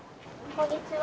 こんにちは。